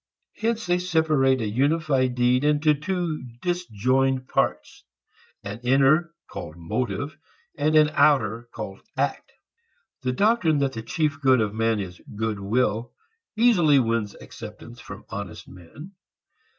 Hence they separate a unified deed into two disjoined parts, an inner called motive and an outer called act. The doctrine that the chief good of man is good will easily wins acceptance from honest men.